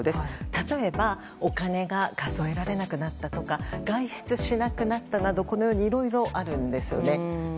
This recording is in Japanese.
例えばお金が数えられなくなったとか外出しなくなったなどいろいろあるんですよね。